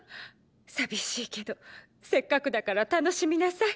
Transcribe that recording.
寂しいけどせっかくだから楽しみなさい。